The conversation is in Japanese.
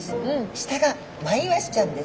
下がマイワシちゃんです。